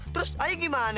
terus ayah gimana